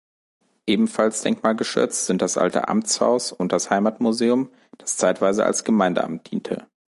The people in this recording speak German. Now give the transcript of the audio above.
Ebenfalls denkmalgeschützt sind das alte Amtshaus und das Heimatmuseum, das zeitweise als Gemeindeamt diente.